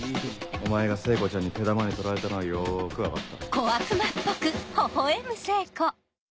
お前が聖子ちゃんに手玉に取られたのはよく分かった。